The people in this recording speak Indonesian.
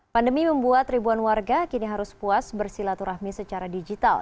pandemi membuat ribuan warga kini harus puas bersilaturahmi secara digital